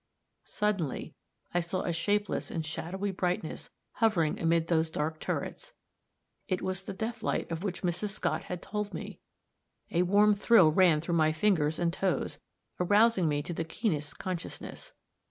Suddenly I saw a shapeless and shadowy brightness hovering amid those dark turrets. It was the death light of which Mrs. Scott had told me. A warm thrill ran through my fingers and toes, arousing me to the keenest consciousness.